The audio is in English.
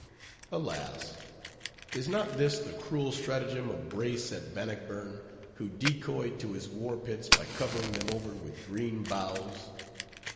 Alas! is not this the cruel stratagem of Bruce at Bannockburn, who decoyed to his war pits by covering them over with green boughs?